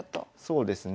そうですね。